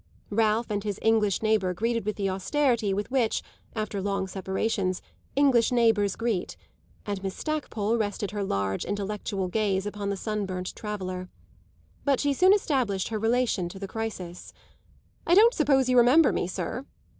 Ralph and his English neighbour greeted with the austerity with which, after long separations, English neighbours greet, and Miss Stackpole rested her large intellectual gaze upon the sunburnt traveller. But she soon established her relation to the crisis. "I don't suppose you remember me, sir."